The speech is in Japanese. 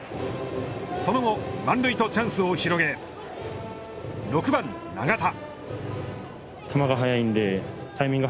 その後、満塁とチャンスを広げ６番長田。